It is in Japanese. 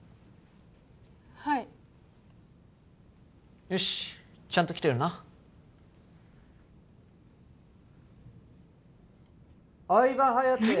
はいよしちゃんと来てるな何？